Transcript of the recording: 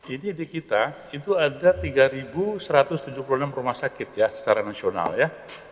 ide ide kita itu ada tiga satu ratus tujuh puluh enam rumah sakit ya secara nasional ya